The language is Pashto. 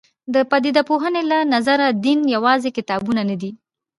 د پدیده پوهنې له نظره دین یوازې کتابونه نه دي.